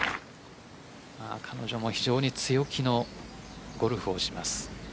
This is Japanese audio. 彼女も非常に強気のゴルフをします。